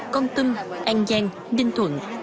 công tâm an giang ninh thuận